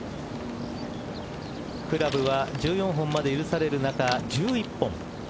クラブは１４本まで許される中１１本。